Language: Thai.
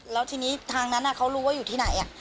แล้วทีนี้ทางนั้นเขารู้ว่าอยู่ที่ไหน